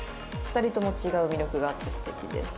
「２人とも違う魅力があって素敵です」。